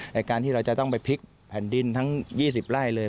ในการที่เราจะต้องไปพลิกแผ่นดินทั้ง๒๐ไร่เลย